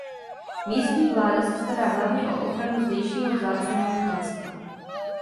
Místní vláda se stará hlavně o ochranu zdejšího vzácného ptactva.